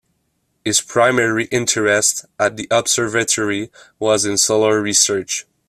His primary interest at the observatory was in solar research.